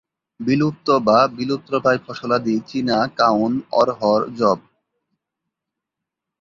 বিলুপ্ত বা বিলুপ্তপ্রায় ফসলাদি চিনা, কাউন, অড়হর, যব।